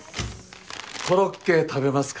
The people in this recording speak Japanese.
コロッケ食べますか？